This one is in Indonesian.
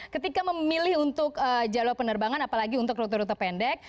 ketika memilih untuk jalur penerbangan apalagi untuk rute rute pendek